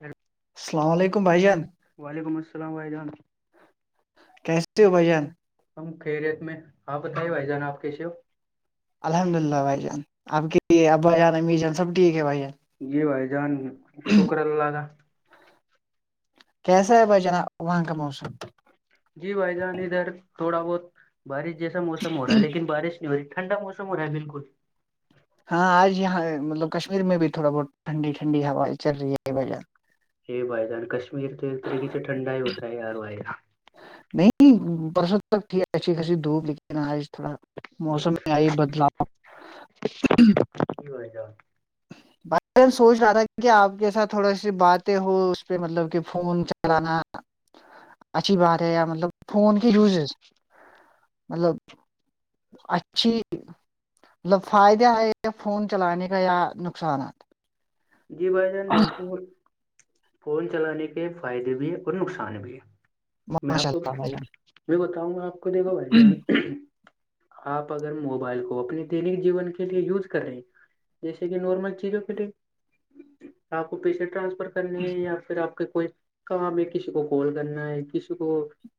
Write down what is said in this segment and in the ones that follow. ہ السلام علیکم بھائی جان وعلیکم السلام و جان کیسے ہو بھ جان ہم خیریت میں ہپ بتائیے بھائی جان آپ کیسے ہو الحمد للہ بھائی جان آپ کی ابا جان امی جان سب ٹھیک ہے بھائی جان یہ بھائی جان شکر اللہ کا کیسا ہے ب جناا وہاں کا موسم جی بھائی جان ادھر تھوڑا بہت بارش جیسا موسم ہو رہا ہے لیکن بارش نہیں ٹھنا موسم ہو رہ ہے بالکل ہاں آج یہاں مطلب کشمیر میں بھی تھوڑا بہت ٹھنڈی ٹھنڈی ہوا چل رہی ہے یہ وجہ یہ بائ جاان کشمییر تو ایک طریقی سےٹھنڈا ہی ہوتا ہے ہر واہ نہیں پرسد تک ت اچھی خی دھوپ آج تھوڑا جان موسم میں آئی بدلاؤ چ و جاؤ بائی چانس سوچ رہا تھا کہ آپ کے ساتھ تھوڑا سی باتیں ہو اس پہ مطلب کہ فون چلانا [inaudible] اچھی بات ہے مطلب فون کے وزز مطلب اچھی ملب فائدہ آئے فون چلانے کا یا نقصانات جی بھائی جان دیکھو فون چلانے کے فائدے بھی ہے اور نقصان بھی ہے میں ماشاء آپ کو اللہ بھائی جان میں بتاؤں گا آپ کو دیکھا بھائی جان آپ اگر موبائل کو اپنے دینک جیون کے لیے یوز کر رہے ہیں جیسے کہ نارمل چیزوں کے لیے آپ کو پیسے ٹرانسفر کرنے ہیں یا پھر آپ کے کوئی کام ہے کسی کو کال کرنا ہے کسی کو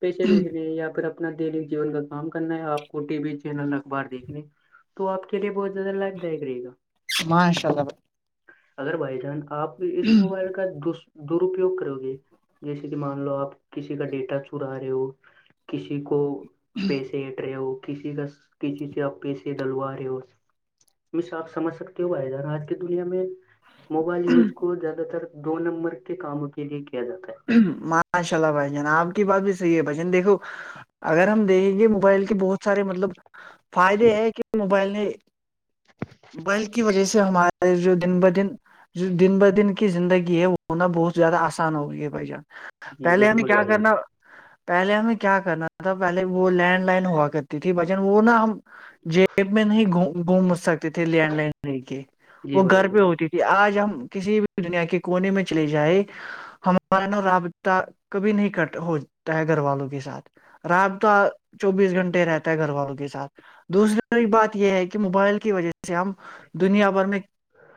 پیسے بھیجنے ہے یا پھر آ اپنا دینک جیون کا کام کرنا ہے آپ کو ٹی وی چینل اخبار دیکھنے تو آپ کےے بہت زیادہ لابھ دائک رہےا ماشاء اللہ بھ اگر بائی چان آپ اس موبائل کا دوس درپیوگ کرو گے جیسے کہ مان لو آپ کسی کا ڈیٹا چورا رہے ہو کسی کو پیسے ہٹ رہے ہو کسی کا کسی سے آپ پیسے ڈلوا رہے ہو میںس آپ سمجھ سکتے ہو بھائی جان آج کی دنیا میں موبائل یوز کو زیادہ تر دو نمبر کے کاموں کے لیے کیا جاتا ہے بھائی، ماشاء اللہ بھائی جان آپ کی بات بھی صحیح ہے بھائی جان دیکھو اگر ہم دیکھیں گے موبائل کے بہت سارے مطلب فائدے ہے کہ موبائل نے [inaudible] [inaudible] بل کی وجہ سے ہمارے جو دن بدن دن ب دن کی زندگی ہے وہ ہونا بہت زیادہ آسان ہو گئی ہے بھائی جان جی پہلے یعنی بالکل کیا بھائی جان کرنا پہلے ہمیں کیا کرنا تھا پہلے وہ لینڈ لائن ہوا کرتی تھی بچن وہ نا ہم جیب میں نہیں گ گھوم سکتے تھے لینڈ لائن لے کے جی وہ گھر بھائی پہ جان ہوتی تھی آج ہم کسی بھی دنیا کے کونے میں چلے جائائے ان رابطہ کبھی نہیں کٹ ہوتا ہے گھر والوں کے ساتھ رات تو چوبیس گھنٹے رہتا ہے گھر والوں کے ساتھ دوسری بات یہ ہے کہ موبائل کی وجہ سے ہم دنیا بھر میں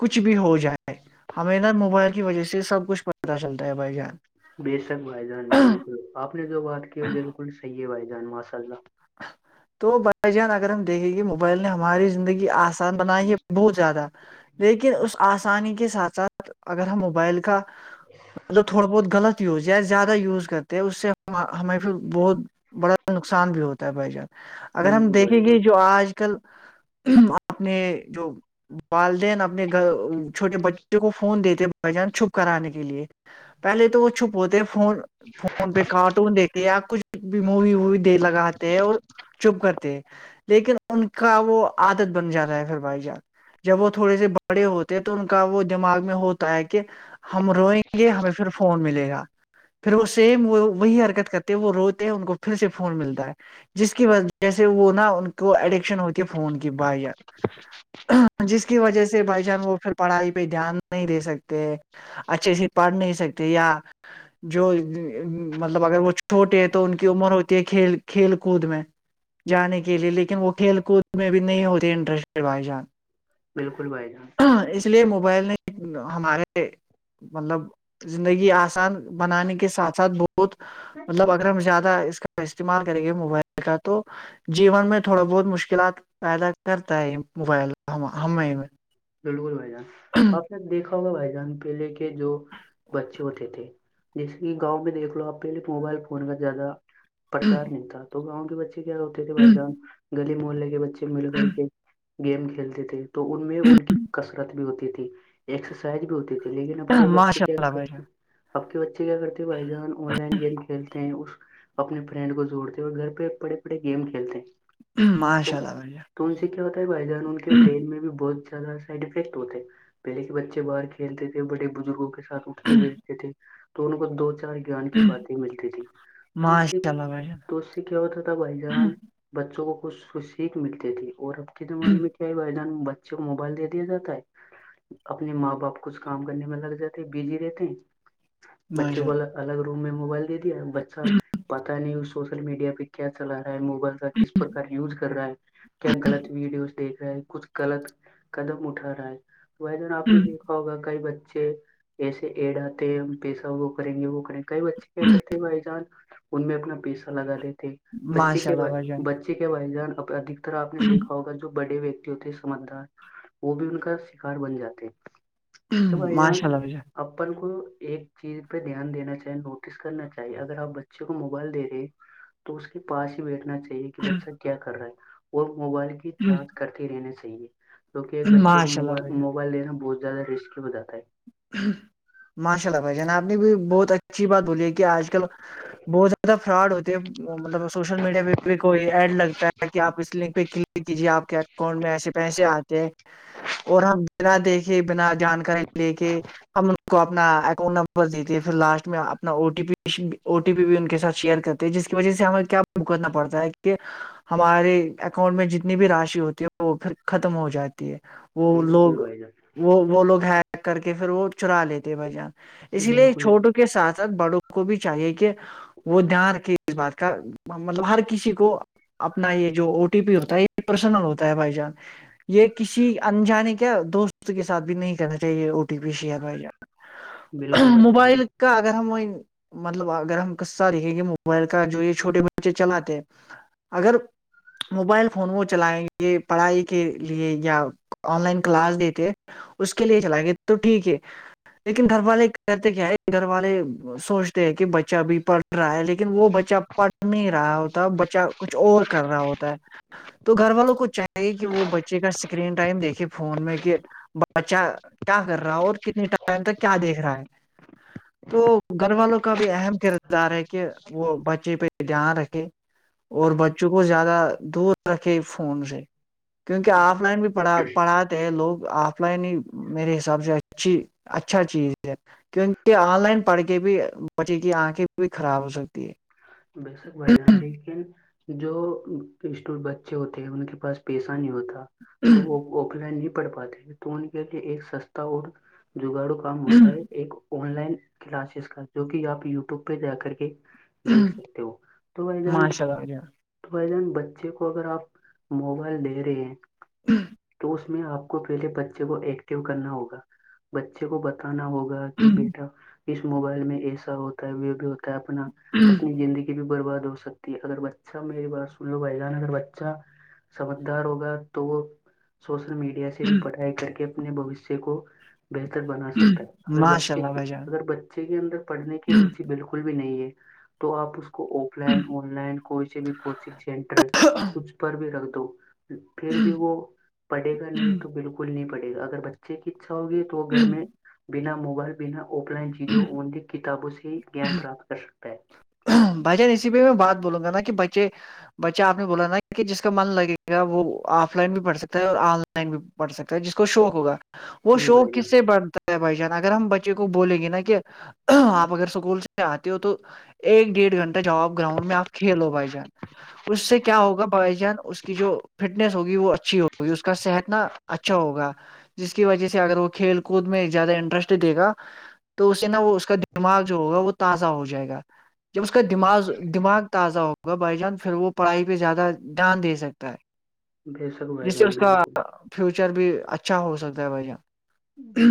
کچھ بھی ہو جائےیں ہمیں نہ موبائل کی وجہ سے سب کچھ پتہ چلتا ہے بھائی جان بے شک بھائی جان بالکل آپ نے جو بات کی وہ بالکل صحیح ہے بھائی جان ماشاء اللہ تو بائی جان اگر ہم دیکھیں گے موبائل نے ہماری زندگی آ آسان بنائی ہے بہت زیادہ لیکن اس آسانی کے ساتھ ساتھ اگر ہم موبائل کا مطلب تھوڑا بہت غلط ز یا زیادہ یوز کرتے ہیں اس سے ہمیں پھر بہت بڑا نقصان بھی ہوتا ہے بھائی جان اگر ہم بالکل بھائی دیکھیں جان گے جو آج کل اپنے جو والدین اپنے گھر چھوٹے بچے کو فون دیتے بھ جان چھپ کرانے کے لیے پہلے تو وہ چھپ ہوتے ہیں ف ف فون پہ کارٹون دیکھ یا کچھ بھی مووی ووی دے لگا اور چپ کرتے ہیں لیکن ان کا وہ عادت بن جاتا ہے پھر بھائی جان جب وہ تھوڑے سے بڑے ہوتے ہیں تو ان کا وہ دماغ میں ہوتا ہے کہ ہم روئیں گے ہمیں پھر فون ملے گا پھر وہ سیم وہ وہی حرکت کرتے وہ روتے ہیں ان کو پھر سے فون ملتا ہے جس کی وجہ سے وہ نا ان کو ایڈکشن ہوتی ہے فون کی با یا جس کی وجہ سے بھائی چان وہ پھر پڑھائی پہ دھیان نہیں دے سکتے ہیں اچھے سے پڑھ نہیں سکتے یا جو مطلب اگر وہ چھوٹے ہے تو ان کی عمر ہوتی ہے کھیل کھیل کود میں جانے کے لیے لیکن وہ کھیل کود میں بھی نہیں ہوتے انٹرسٹیڈ بھائی جان بالکل بھائی جان اس لیے موبائل نے ہمارے مطلب زندگی آسان بنانے کے ساتھ ساتھ ب ب مطلب اگر ہم زیادہ اس کا استعمال کریں گے موبائل کا تو جیون میں تھوڑا بہت مشکلات پیدا کرتا ہے یہ موبائل ہم ہمیں بالکل بھائی جان آپ نے دیکھا ہوگا بھائی جان پہلے کے جو بچے ہوتے تھے جیسے کہ گاؤں میں دیکھ لو آپ پہلے موبائل فون کا زیادہ پرچار نہیں تھا تو گاؤں کے بچے کیا ہوتے تھے بھائی جان گلی محلے کے بچے مل کر کے گیم کھیلتے تھے تو ان میں ان کی رت بھی ہوتی تھی ایکسرسائز بھی ہوتی تھی لیکن اب کے بچے ماشاء کیا اللہ بھائی کرتے آپ کے بچے کیا کرتے بھائی جو آن لائن گیم کھیلتے ہیں اس اپنے فرینڈ کو جوڑتے ہیں اور گھر پہ بڑے بڑے گیم کھیلتے ہیں تو ماشاء اللہ بھہ تو ان سے کیا ہوتا ہے بھائی جان ان کے برین میں بھی بہت زیادہ فٹ ہوتے پہلے کے بچے باہر کھیلتے تھے بڑے بزرگوں کے ساتھ اٹھتے بیٹھتے تھے توونوں کو دو چار جان کی باتیں ملتی تھی تو سے ماشاء اللہ بھائی جان تو سے کیا ہوتا تھا بھائی جان بچوں کو کچھ سیکھ ملتے تھی اور اب کے زمانے میں کیا ہے بھائی جان بچے کو موبائل دیتے دیا جاتا ہے اپنے ماں باپ کچھ کام کرنے میں لگ جاتے ہیں بزی رہتے ہیں بچے ماشاء کو ال الگ روم میں موبائل دے دیا بچہ پتا نہیں اس سوشل میڈیا پہ کیا چلا رہا ہے موبائل کا کس پرار یوز کر رہا ہے کیا غلط ویڈیوز دیکھ رہا ہے کچھ غلط قدم اٹھا رہا ہے تو وہ جو اللہ آپ نے دیکھ ہوگا کئی بچے ایسے ایڈ آتے ہیں ہم پیسہ وہ کریں گے وہ کریں گے کئی بچے کیا کرتے بھائی جان ان میں اپنا پیسہ لگا دیتے بچے ماشاء کے اللہ بھائی جان کے بائی جان ادک ترح آپ نے دیکا ہوگا جو بڑے ویکتی ہوتے ہیں سمجھدار وہ بھی ان کا شکار بن جاتے ہیں توب آائی یہان ماشاء اللہ بھائی جان اپن کو ایک چیز پہ دھیان دینا چاہیے نوٹس کرنا چاہیے اگر آپ بچے کو موبائل دے رہے تو اس کے پاس ہی بیٹھنا چاہیے چ کہ بچہ کیا کر رہا ہے اور موبائل کی چارج کرتے رہنے چاہیے کیونکہ ایک بچے کو ماشاء مو اللہ بھائی موبائل لین بہت زیادہ رسکل ہو جا ہے ماشاء اللہ بھائی جان آپ نے بھی بہت اچھی بات بولی ہے کہ آج کل بہت زیاد فراڈ ہوتی ہے مطلب سوشل میڈیا پہ بھی کوئی ایڈ لگتا ہے کہ آپ اس لنک پہ کل کیجے آپ کے اکاؤنٹ میں ایسے پیسے آتے ہیں اور ہم بنا دیکھے بنا جانکاری لے کے ہم کو اپنا اکاؤنٹ نمبر دیتے پھر لاسٹ میں اپنا اٹی پی او ٹی پی بھی ان کے ساتھ شیئر کرتے جس کی وجہ سے ہمیں کیا کرنا پڑتا ہے کہ ہمارے اکاؤنٹ میں جتنی بھی راشی ہوتی ہے وہ پھر ختم ہو جاتی ہے وہ لوگ بالکل بھائی جان وہ وہ لوگ ہیک کر کے پھر وہ چرا لیتے بجان اس لیے بالکل چھوٹوں کے ساتھ ساتھ بڑوں کو بھی چاہیے کہ وہ دھیان کے اس بات کا مطلب ہر کسی کو اپنا یہ جو او ٹی پی ہوتا ہے یہ پرسنل ہوتا ہے بائی چانس یہ کسی انجانے کیا دوست کے ساتھ بھی نہیں کرنا او ٹی پی شیئر جانا بالکل بھائی جان موبائل کا اگر ہم مطلب اگر ہم قصہ دکھیں گے موبائل کا جو یہ چھوٹے بچے چلاتے اگر موبائل فون وہ چلائیں گے پڑھائی کے لیے یا آن لائن کلاس دیتے اس کے لیے چلائیں گے تو ٹھیک ہے لیکن گھر والے کہتے کیا ہے گھر والے سوچتے ہیں کہ بچہ بھی پڑھ رہا ہے لیکن لیکن وہ بچہ پڑھ نہیں رہا ہوتا بچہ کچھ اور کر رہا ہوتا ہے تو گھر والوں کو چاہیے کہ وہ بچے کا اسکرین ٹائم دیکھے فون میں کہ بچا کیا کر رہا ہو اور کتنے ٹائم تک کیا دیکھ رہا ہے تو گھر والوں کا بھی اہم کردار ہے کہ وہ بھائی بچے پہ دھیان رکھے اور بچوں کو زیادہ دور رکھے فون سے کیونکہ آف لائن بھی پڑھا پڑھاتے ہیں لوگ آ آف لائن ہی میرے حساب سے اچھی اچھا چیز ہے کیونکہ آن لائن پڑھ کے بھی بچے کی آنکھیں بھی خراب ہو سکتی ہے بشک بائی جان لیکن جو اسٹ بچے ہوتے ہیں ان کے پاس پیسہ نہیں ہوتا تو وہ آف لائن نہیں پڑھ پاتے تو ان کے لیے ایک سستا اور جگاڑو کام ہوتا ہے ایک آن لائن کلاسز کا جو کہ آپ یٹیوب پہ جا کر کے دیکھ سک تو بھائی ماشاء اللہ بھائی جان تو ای دن بچے کو اگر آپ موبائل دے رہے ہیں ہوں تو اس میں آپ کو پہلے بچے کو ایکٹو کرنا ہوگا بچے کو بتا بتانا ہوگا کہ بیٹا اس موبائل میں ایسا ہوتا ہے وہ بھی ہوتا ہے اپنا ہوں اپنی زندگی بھی برباد ہو سکتی ہے اگر بچہ میری بات سن لو بھائی جان اگر بچہ سمجھدار ہوگا تو وہ سوشل میڈیا سے بھی پڑھائی کر کے اپنے بوشیہ کو بہتر بنا سکتا ہے اگر ماشاء بچے اللہ کی بھائی جان اگر بچے کے اندر پڑھنے کی روچی بالکل بھی نہیں ہے تو آپ اس کو آف لائن آن لائن کوئی سے بھی کوچنگ سینٹر اس پر بھی رکھ دو پھر بھی وہ پڑھے گا نہیں تو بالکل نہیں پڑے گا اگر چکسا ہوگی تو گھر میں بنا موبائل بنا آف لائن چیزوں الی کتابوں سے ہی جان پراپت کر سکتا ہے بجان اسی میں بات بولوں گا نا کہ بچے بچہ آپ نے بولا نا کہ جس کا من لگے گا وہ آف لائن بھی پڑھ سکتا ہے اور آن لائن بھی بڑھ سکتا ہے جس کو شوق ہوگا وہ جی شوق بھائی کس جان سے بڑتا بھائی جان اگر ہم بچے کو بول گے نا کہ آپ اگر سکول سے آتے ہو تو ایک ڈیھ جا آپ گراؤنڈ میں آپ کھیلو بھائی جان اس سے کیا ہوگا بھائی جان اس کی جو فٹنیس ہوگی وہ اچھی ہوگی اس کا صحت نا اچھا ہوگا جس کی وجہ سے اگر وہ کھیل کود میں زیادہ انٹرسٹ دے گا تو اسے نا وہ اس کا دماغ جو ہوگا وہ تازہ ہو جائے گا جب اس کا دماغ دماغ تازہ ہوگا بائی جان پھر وہ پڑھائی پہ زیادہ دھیان دے سکتا ہے بس جس سے اس کا فیوچر بھی اچھا ہو سکتا ہے بہ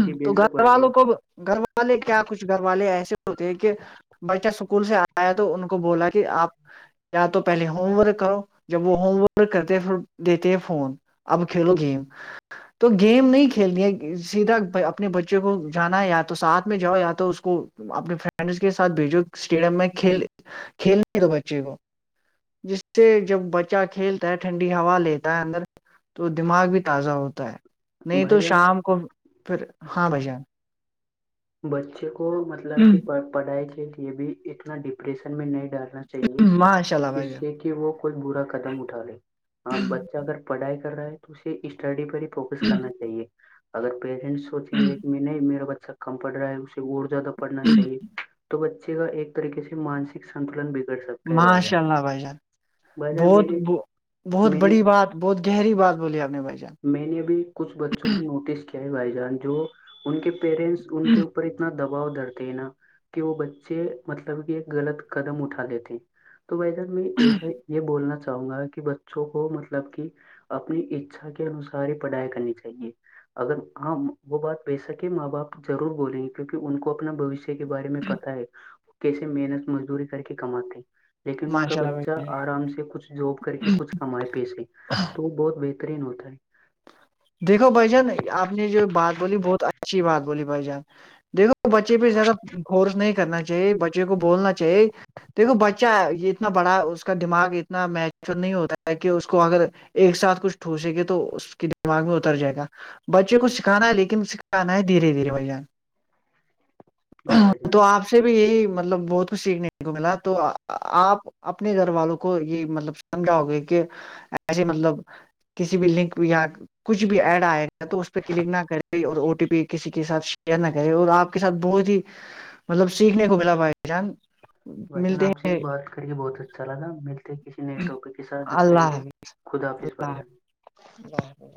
جی تو بے شک گھر بھائی والوں کو جان گھر وال والے کیا کچھ گھر والے ایسے ہوتے ہیں کہ بچہ اسکول سے آیا تو ان کو بولا کہ آپ یا تو پہلے ہوم ورک کرو جب وہ ہوم ورک کرتے پ دیتے فون اب کھیلو گیم تو گیم نہیں کھیلتی ہے سیدھا اپنے بچے کو جانا یا تو ساتھ میں جاؤ یا تو اس کو اپنے فرینڈس کے ساتھ بھیجو اسٹیڈیم میں کھیل کھیلنے دو بچے کو جس سے جب بچہ کھیلتا ہے ٹھنڈی ہوا لیتا ہوتا اندر تو دماغ بھی تازہ ہوتا ہے نہیں بھائی تو جان شام کو پھر ہاں بھائی جان بچے کو مطلب کہ پڑھائی کے لیے بھی اتنا ڈپریشن میں نہیں ڈر چاہیے ماشاء اللہ بھائی جس جان سے کہ وہ کوئی برا قدم اٹھا لے آپ بچہ اگر پڑھائی کر رہا ہے تو اسے اسٹڈی پر ہی فوکس کرنا چاہیے اگر پییرنٹس سوچیں گے کہ نہیں میرا بچہ کمفٹ رہا ہے اس اور زیادہ پڑھنا چاہیے تو بچے کا ایک طریقے سے مانسک سنتلن بگڑ سکتا ہے بائان ماشاء اللہ بھائی جان بہت بان بہت میں نے بڑی بات بہت گہری بات بولی آپ نے بھائی جان میں نے بھی کچھ بچوں کو نوٹس کیا کیا بھائی جان جو ان کے پیرنٹس ان کے اوپر اتنا دباؤ درتے ہیں نا کہ وہ بچے مطلب کہ ایک غلط قدم اٹھا دیتے تو بھائی سر میں ایسا یہ بولنا چاہوں گا کہ بچوں کو مطلب کہ اپنی اچھا کے انسار ہی پڑھائی کرنی چاہیے اگر ہاں وہ بات ب سکے ماں باپ ضرور بولیں گے کیونکہ ان کو اپنا بوشیہ کے بارے میں پتا ہے کیسے محنت مزدوری کر کے کماتے ہیں لیکن ان کا ماشاء اللہ بھائی بچہ جان۔ آرام سے کچھ جاب کر کے کچھ کمائے پیسے تو وہ بہت بہتر گرین ہوتا ہے دیکھو بھ جان آپ نے جو بات بولی بہت اچھی بات بولی بھائی جان دیکو بچے پہ زیادہ فورس نہیں کرنا چاہیے بچے کو بولنا چاہیے دیکھو بچہ یہ اتنا بڑا اس کا دماغ اتنا نیچرل نہیں ہوتا ہے کہ اس کو اگر ایک ساتھ کچھ ٹھوسے گے تو اس کی دماغ میں اتر جائے گا بچے کو سکھانا ہے لیکن سکھانا ہے دھیرے دھیرے بھائی جان [unintelligible] جان تو آپ سے بھی یہی مطلب بہت کچھ سیکھنے کو ملا تو آپ اپنے گھر والوں کو یہ مطلب سمجھاؤ گے کہ ایسے مطلب کسی بلڈنگ کو یہاں کچھ بھی ایڈ آئے گا تو اس پہ کلک نہ کرے اور او ٹی پی کسی کے ساتھ شیئر نہ کرے اور آپ کے ساتھ بہت ہی مطلب سیکھنے کو ملا بھائی جان بھائی جان آ ملتے سے ہیں بھی بات کر کے بہت اچھا لگا ملتے کسی نئے ٹاپک کے ساتھ جب تک کے اللہ لیے حافظ خد حافظ بحرہ اللہ حافظ